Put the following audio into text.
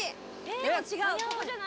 でも違う？